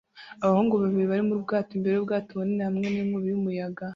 Abahungu babiri bari mu bwato imbere yubwato bunini hamwe ninkubi y'umuyaga